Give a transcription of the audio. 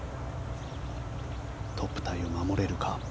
トップタイを守れるか。